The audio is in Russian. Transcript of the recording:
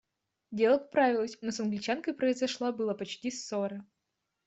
Дело поправилось, но с Англичанкой произошла было почти ссора.